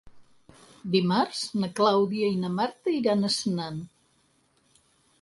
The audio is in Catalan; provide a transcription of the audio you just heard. Dimarts na Clàudia i na Marta iran a Senan.